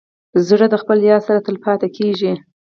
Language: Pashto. زړه د خپل یار سره تل پاتې کېږي.